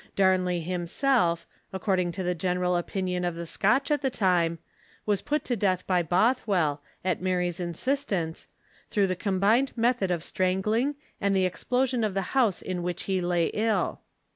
Darnley himself, according to the gen eral opinion of the Scotch at the time, was put to death by Bothwell, at Mary's instance, through the combined method of strangling and tlie explosion of the house in Avhich he lay ill.